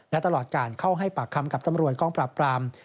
และตลอดการเข้าให้ปากคำกับตำรวจกองปราบปราม